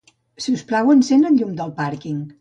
Si us plau, encén el llum del pàrquing.